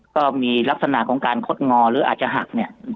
ก็มีลักษณะของการคดงอหรืออาจจะหักเนี่ย